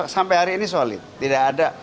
sampai hari ini solid tidak ada